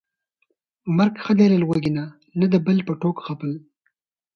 مرګ ښه دى له لوږې نه، نه د بل په ټوک غپل